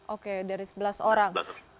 oke dari sebelas orang